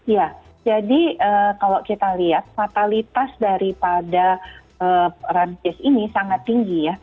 ya jadi kalau kita lihat fatalitas daripada perancis ini sangat tinggi ya